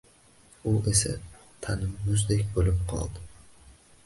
U esa tanim muzdek bo‘lib qoldi.